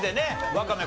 ワカメ